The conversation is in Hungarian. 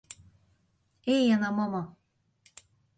Éljen a mama!